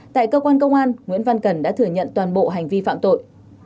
tại cơ quan công an nguyễn văn cần đã thừa nhận toàn bộ hành vi phạm tội